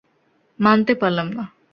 মানতে পারলাম না।